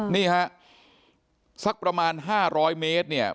นี่ฮะสักประมาณ๕๐๐เมตรเนี่ย